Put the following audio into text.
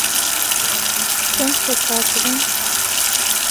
چەند کەس هاتبوون؟